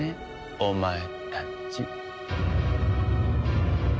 お前たち。